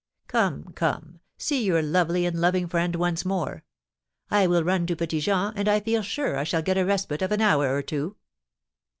Come, come, see your lovely and loving friend once more. I will run to Petit Jean, and I feel sure I shall get a respite of an hour or two."